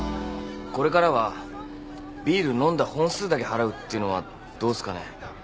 これからはビール飲んだ本数だけ払うっていうのはどうっすかね。